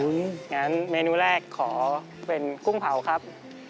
อุ๊ยอย่างนั้นเมนูแรกขอเป็นกุ้งเผาครับ